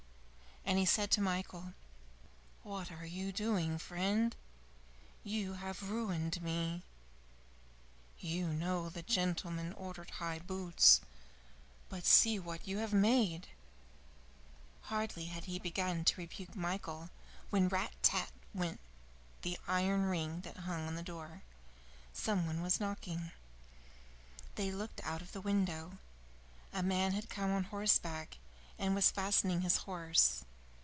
And he said to Michael, "What are you doing, friend? You have ruined me! You know the gentleman ordered high boots, but see what you have made!" Hardly had he begun to rebuke Michael, when "rat tat" went the iron ring that hung at the door. Some one was knocking. They looked out of the window; a man had come on horseback, and was fastening his horse.